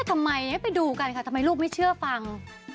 ทำไมให้ไปดูกันค่ะทำไมลูกไม่เชื่อฟัง